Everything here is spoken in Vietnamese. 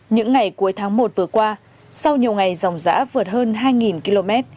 những ngày cuối tháng một vừa qua sau nhiều ngày dòng giã vượt hơn hai km